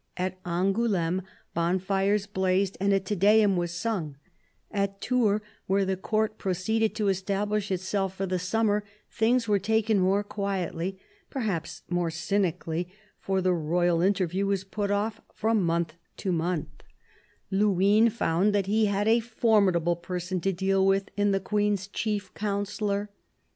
At Angouleme bonfires blazed and a Te Deum was sung ; at Tours, where the Court proceeded to establish itself for the summer, things were taken more quietly, perhaps more cynically, for the royal interview was put off from month to month, and Luynes Ii8 CARDINAL DE RICHELIEU found that he had a formidable person to deal with in the Queen's chief counsellor.